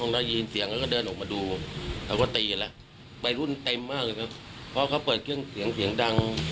เพราะตีกันแล้ววัยรุ่นเต็มมากเลยครับเพราะเขาเปิดเครื่องเสียงเสียงดัง